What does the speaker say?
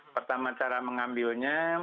pertama cara mengambilnya